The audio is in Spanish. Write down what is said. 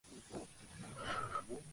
Moses pertenece a la etnia tamil.